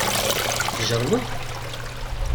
Tjerrdeḍ?